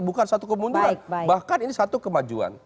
bukan satu kemunduran bahkan ini satu kemajuan